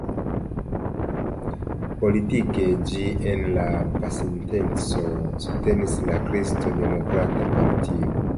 Politike ĝi en la pasinteco subtenis la Kristo-Demokrata partio.